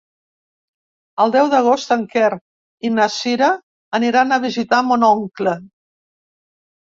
El deu d'agost en Quer i na Cira aniran a visitar mon oncle.